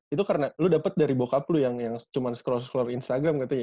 itu karena lu dapet dari bokap lu yang cuman scroll scroll instagram katanya ya